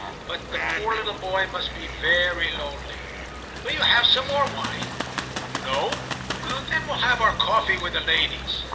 But the poor little boy must be very lonely. Will you have some more wine ? No } Then we'll have our coffee with the ladies.